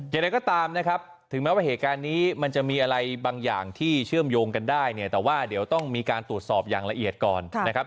อย่างไรก็ตามนะครับถึงแม้ว่าเหตุการณ์นี้มันจะมีอะไรบางอย่างที่เชื่อมโยงกันได้เนี่ยแต่ว่าเดี๋ยวต้องมีการตรวจสอบอย่างละเอียดก่อนนะครับ